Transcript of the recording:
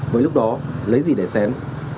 với lúc đó lấy gì để xén